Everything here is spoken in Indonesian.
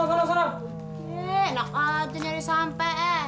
enak aja nyari sampai